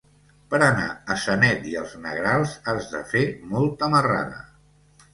Per anar a Sanet i els Negrals has de fer molta marrada.